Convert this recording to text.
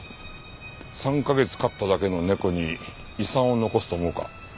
３カ月飼っただけの猫に遺産を残すと思うか？